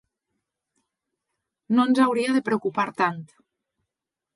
No ens hauria de preocupar tant